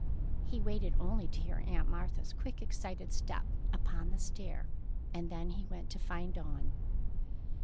He waited only to hear Aunt Martha's quick, excited step upon the stair, and then he went to find Dawn.